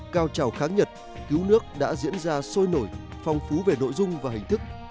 cao trào kháng nhật cứu nước đã diễn ra sôi nổi phong phú về nội dung và hình thức